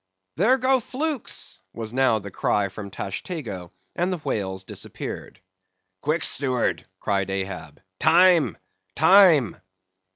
"There go flukes!" was now the cry from Tashtego; and the whales disappeared. "Quick, steward!" cried Ahab. "Time! time!"